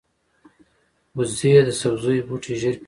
وزې د سبزیو بوټي ژر پېژني